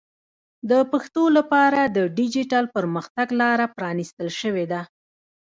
د پښتو لپاره د ډیجیټل پرمختګ لاره پرانیستل شوې ده.